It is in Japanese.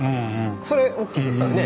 それ大きいですよね。